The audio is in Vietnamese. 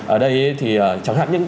ở đây thì chẳng hạn